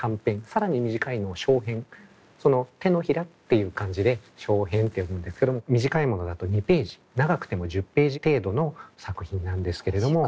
更に短いのを掌編その手のひらっていう感じで掌編って呼ぶんですけども短いものだと２ページ長くても１０ページ程度の作品なんですけれども。